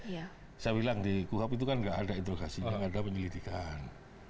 itu sudah hilang di kuhp itu kan tidak ada interogasi tidak ada penyelidikan